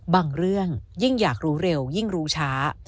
บางเรื่องยิ่งอยากรู้เร็วยิ่งรู้ช้า